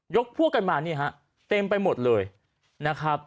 พวกกันมานี่ฮะเต็มไปหมดเลยนะครับ